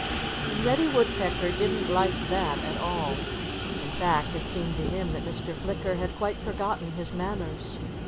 And Reddy Woodpecker didn't like that at all. In fact it seemed to him that Mr. Flicker had quite forgotten his manners.